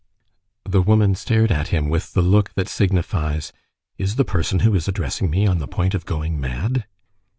The woman stared at him with the look that signifies: "Is the person who is addressing me on the point of going mad?"